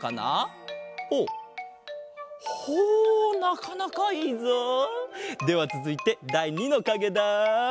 ほうほうなかなかいいぞ！ではつづいてだい２のかげだ！